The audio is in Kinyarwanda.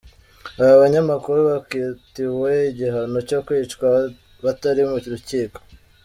Aba banyamakuru bakatiwe igihano cyo kwicwa batari mu rukiko.